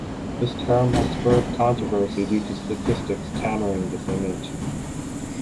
This term has spurred controversy due to statistics countering this image.